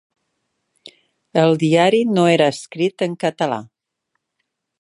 El diari no era escrit en català.